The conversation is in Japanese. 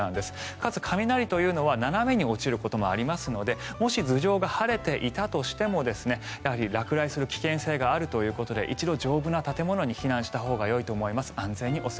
かつ、雷というのは斜めに落ちることもあるのでもし、頭上が晴れていたとしても落雷する危険性があるということで上部な建物に避難したほうがいいと思います。